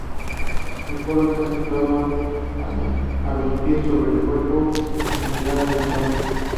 El coro está situado a los pies sobre el cuerpo de entrada al templo.